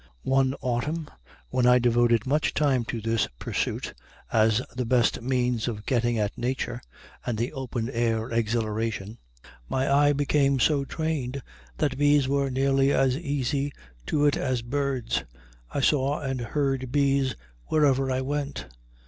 One autumn, when I devoted much time to this pursuit, as the best means of getting at nature and the open air exhilaration, my eye became so trained that bees were nearly as easy to it as birds. I saw and heard bees wherever I went.